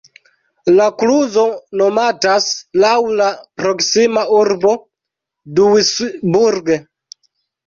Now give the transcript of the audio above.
La kluzo nomatas laŭ la proksima urbo Duisburg.